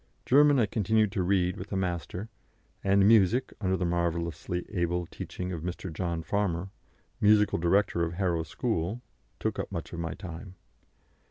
German I continued to read with a master, and music, under the marvellously able teaching of Mr. John Farmer, musical director of Harrow School, took up much of my time.